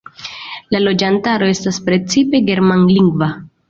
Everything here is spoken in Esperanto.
La loĝantaro estas precipe germanlingva.